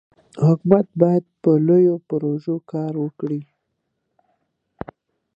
حکومت باید په لویو پروژو کار وکړي.